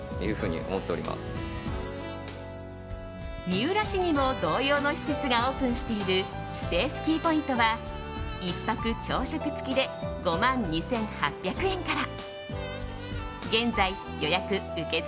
三浦市にも同様の施設がオープンしているスペースキーポイントは１泊朝食付きで５万２８００円から。